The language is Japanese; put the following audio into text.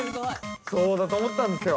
そうだと思ったんですよ。